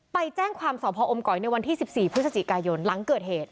ไปแจ้งความสอบพออมก๋อยในวันที่๑๔พฤศจิกายนหลังเกิดเหตุ